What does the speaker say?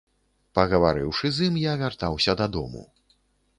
Пагаварыўшы з ім, я вяртаўся дадому.